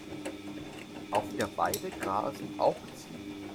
Auf der Weide grasen auch Ziegen.